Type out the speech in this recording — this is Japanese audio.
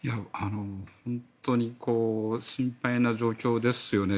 本当に心配な状況ですよね。